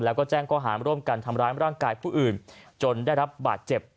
แล้วก็แจ้งข้อหาร่วมกันทำร้ายร่างกายผู้อื่นจนได้รับบาดเจ็บ